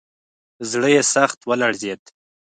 زړه یې سخت ولړزېد.